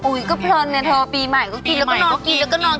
อุ๊ยก็เพลินเนี่ยเธอปีใหม่ก็กินแล้วก็นอน